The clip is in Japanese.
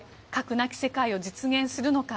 なき世界を実現するのか。